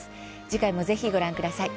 次回も、ぜひご覧ください。